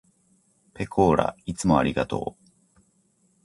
ぺこーらいつもありがとう。